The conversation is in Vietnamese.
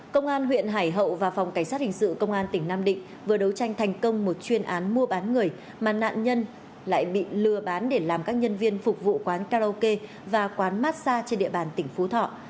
công an huyện hải hậu và phòng cảnh sát hình sự công an tỉnh nam định vừa đấu tranh thành công một chuyên án mua bán người mà nạn nhân lại bị lừa bán để làm các nhân viên phục vụ quán karaoke và quán massage trên địa bàn tỉnh phú thọ